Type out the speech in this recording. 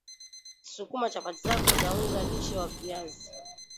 sukuma chapati zako za unga lishe wa viazi